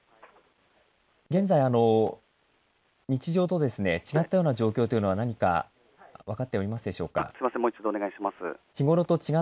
現在、日常と違ったような状況は何か分かっておりますでしょうか。